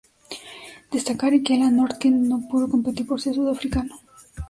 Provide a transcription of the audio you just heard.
Destacar que Alan North que no pudo competir por ser sudafricano.